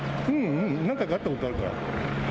うん、何回か会ったことあるから。